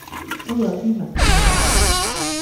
都有啲名氣